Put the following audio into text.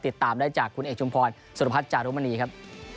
ติดตามได้จากคุณเอกชุมพรสุรพัฒนจารุมณีครับ